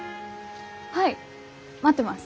はい待ってます。